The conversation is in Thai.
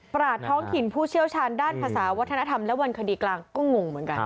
ราชท้องถิ่นผู้เชี่ยวชาญด้านภาษาวัฒนธรรมและวันคดีกลางก็งงเหมือนกัน